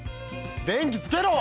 電気つけろ！